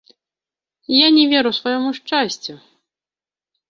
Я не веру свайму шчасцю!